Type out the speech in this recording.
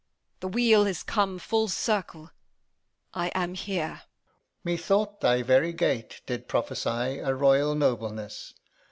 The wheel is come full circle; I am here. Alb. Methought thy very gait did prophesy A royal nobleness.